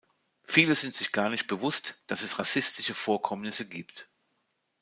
Viele sind sich gar nicht bewusst, dass es rassistische Vorkommnisse gibt.